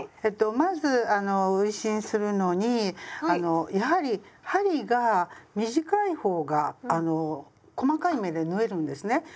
えっとまず運針するのにやはり針が短い方が細かい目で縫えるんですね。